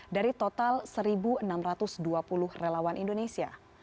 dari total satu enam ratus dua puluh relawan indonesia